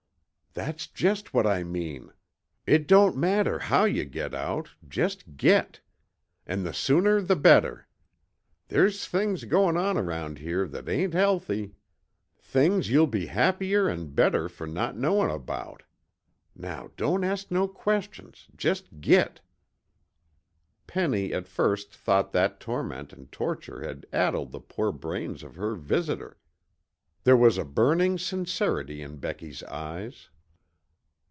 "That's just what I mean. It don't matter how you get out, just get. An' the sooner the better. There's things goin' on around here that ain't healthy. Things you'll be happier an' better fer not knowin' about. Now don't ask no questions, just git!" Penny at first thought that torment and torture had addled the poor brain of her visitor. There was a burning sincerity in Becky's eyes.